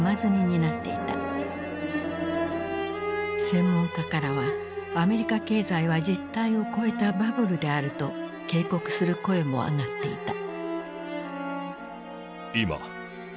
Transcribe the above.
専門家からはアメリカ経済は実体を超えたバブルであると警告する声も上がっていた。